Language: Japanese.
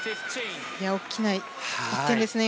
大きな１点ですね。